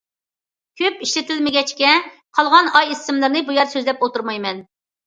كۆپ ئىشلىتىلمىگەچكە، قالغان ئاي ئىسىملىرىنى بۇ يەردە سۆزلەپ ئولتۇرمايمەن.